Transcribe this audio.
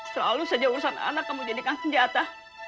selalu saja urusan anak kamu jadikan senjata